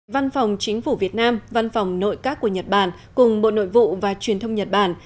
văn phòng chính phủ việt nam văn phòng nội các của nhật bản cùng bộ nội vụ và truyền thông nhật bản